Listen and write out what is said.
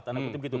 tanda kutip gitu